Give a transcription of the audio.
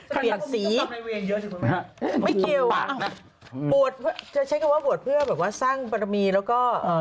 เปลี่ยนสีถ้าไม่เคยวะปวดจะใช้เกียรติว่าปวดเพื่อสร้างปรมีแล้วก็